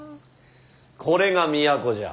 これが都じゃ。